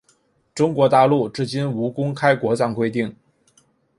中国大陆至今无公开国葬规定。